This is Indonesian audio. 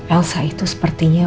elsa itu sepertinya